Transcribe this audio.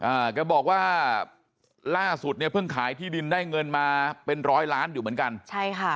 แกบอกว่าล่าสุดเนี่ยเพิ่งขายที่ดินได้เงินมาเป็นร้อยล้านอยู่เหมือนกันใช่ค่ะ